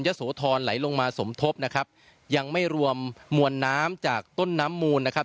โสธรไหลลงมาสมทบนะครับยังไม่รวมมวลน้ำจากต้นน้ำมูลนะครับ